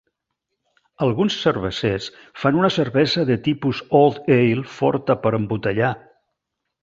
Alguns cervesers fan una cervesa de tipus old ale forta per embotellar.